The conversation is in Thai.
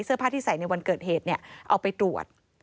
เสื้อผ้าที่ใส่ในวันเกิดเหตุเนี่ยเอาไปตรวจ